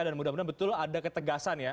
dan mudah mudahan betul ada ketegasan ya